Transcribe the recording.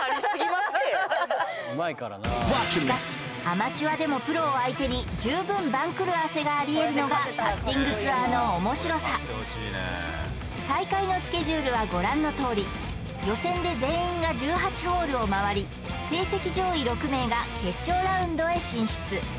しかしアマチュアでもプロを相手に十分番狂わせがありえるのがパッティングツアーの面白さ大会のスケジュールはご覧のとおり予選で全員が１８ホールを回り成績上位６名が決勝ラウンドへ進出